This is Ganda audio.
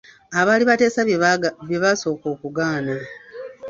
Abaali bateesa bye basooka okugaana.